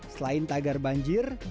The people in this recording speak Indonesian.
selain tagar banjir